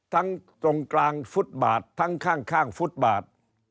ตรงกลางฟุตบาททั้งข้างฟุตบาท